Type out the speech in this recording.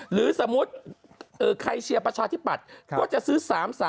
หรือสมมุติใครเชียร์ประชาธิปัตย์ก็จะซื้อ๓๓